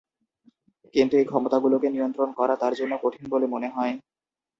কিন্তু, এই ক্ষমতাগুলোকে নিয়ন্ত্রণ করা তার জন্য কঠিন বলে মনে হয়।